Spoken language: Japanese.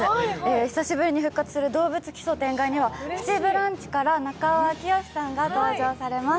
久しぶりに復活する「どうぶつ奇想天外！」には「プチブランチ」から中尾明慶さんが登場します。